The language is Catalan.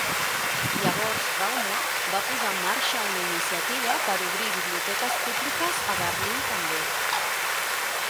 Llavors Raumer va posar en marxa una iniciativa per obrir biblioteques públiques a Berlín també.